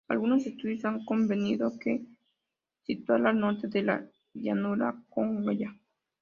Algunos estudiosos han convenido en situarla al norte de la llanura Konya.